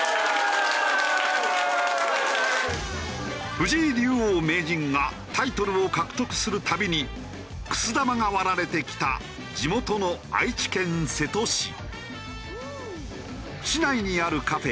藤井竜王・名人がタイトルを獲得する度にくす玉が割られてきた市内にあるカフェ